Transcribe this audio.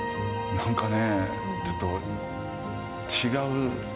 何かね